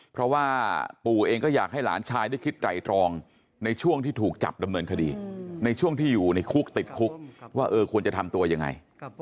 เพราะว่าปู่เองก็อยากให้หลานชายได้คิดไตรตรองในช่วงที่ถูกจับดำเนินคดีในช่วงที่อยู่ในคุกติดคุกว่าเออควรจะทำตัวยังไง